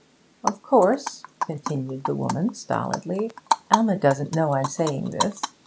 'Of course,' continued the woman stolidly, 'Alma doesn't know I'm saying this.